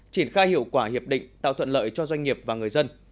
triển khai hiệu quả hiệp định tạo thuận lợi cho doanh nghiệp và người dân